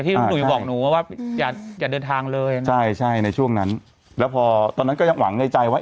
หนุ่มหุยบอกหนูว่าอย่าเดินทางเลยนะใช่ใช่ในช่วงนั้นแล้วพอตอนนั้นก็ยังหวังในใจว่า